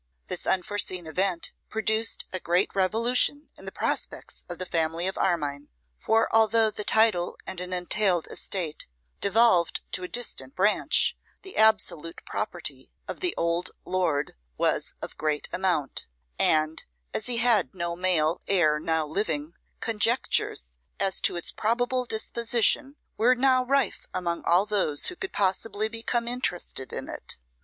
This unforeseen event produced a great revolution in the prospects of the family of Armine; for although the title and an entailed estate devolved to a distant branch, the absolute property of the old lord was of great amount; and, as he had no male heir now living, conjectures as to its probable disposition were now rife among all those who could possibly become interested in it.